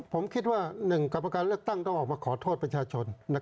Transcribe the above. ผมคิดว่า๑กรรมการเลือกตั้งต้องออกมาขอโทษประชาชน